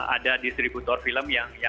ada distributor film yang